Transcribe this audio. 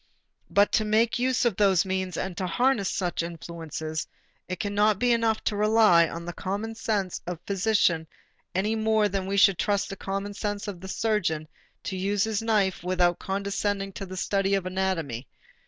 But to make use of those means and to harness such influences, it cannot be enough to rely on the common sense of the physician any more than we should trust the common sense of the surgeon to use his knife without condescending to the study of anatomy.